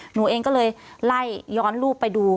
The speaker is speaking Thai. หนูเองก็เลยไล่ย้อนรูปไปดู